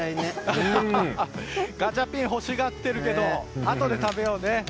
ガチャピン、欲しがってるけどあとで食べようね。